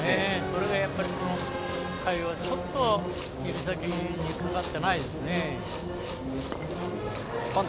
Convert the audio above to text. それがやっぱりこの回は指先にかかってないですね。